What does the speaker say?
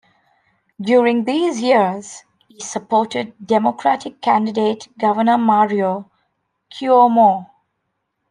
During these years, he supported Democratic candidate Governor Mario Cuomo.